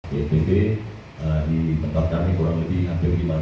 bbb di tempat kami kurang lebih hampir lima rumah